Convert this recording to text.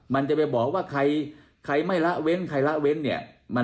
มันจะไปบอกว่าใครไม่ละเว้นใครละเว้นเนี่ย